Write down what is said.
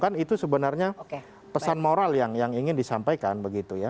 kan itu sebenarnya pesan moral yang ingin disampaikan begitu ya